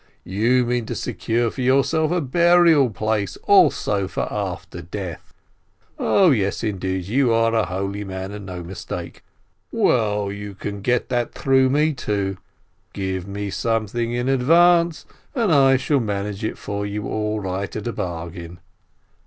You mean to secure for your self a burial place, also for after death ! 0 yes, indeed, you are a holy man and no mistake ! Well, you can get that through me, too ; give me something in advance, and I shall manage it for you all right at a bargain."